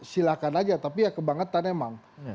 silakan saja tapi kebangetan memang